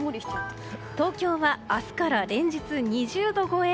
東京は明日から連日２０度超え。